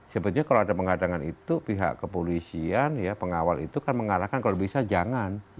sebetulnya kalau ada penghadangan itu pihak kepolisian ya pengawal itu kan mengarahkan kalau bisa jangan